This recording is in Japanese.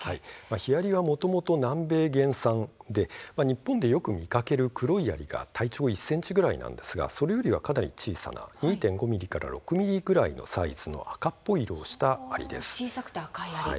ヒアリはもともと南米原産で日本によくいる、よく見られる黒いアリが体長１ｃｍぐらいの大きさですが、それよりはかなり小さな２．５ｍｍから６ｍｍくらいの赤っぽい色のアリです。